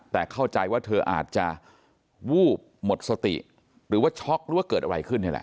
แต่เข้าใจว่าเธออาจจะวูบหมดสติหรือว่าช็อกหรือว่าเกิดอะไรขึ้นนี่แหละ